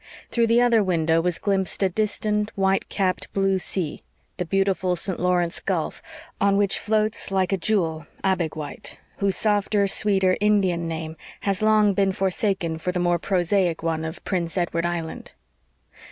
Through the other window was glimpsed a distant, white capped, blue sea the beautiful St. Lawrence Gulf, on which floats, like a jewel, Abegweit, whose softer, sweeter Indian name has long been forsaken for the more prosaic one of Prince Edward Island.